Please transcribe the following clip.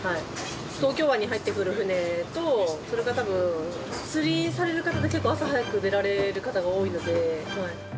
東京湾に入ってくる船と、それからたぶん、釣りされる方は結構、朝早く出られる方が多いので。